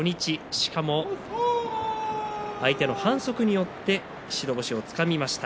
しかも相手の反則によって白星をつかみました。